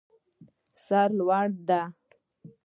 سر لوړه ده.